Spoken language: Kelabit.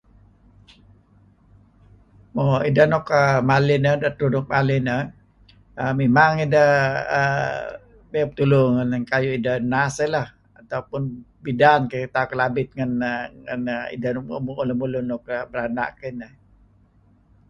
Mo ideh nuk[err] malih, neh dedtur nuk malih neh, memang ideh err mey petulu ngen kayu' ideh nurse eh lah atau pun bidan ken tauh Kelabit ngen ideh nuk mu'uh lemulun nuk beranak kineh.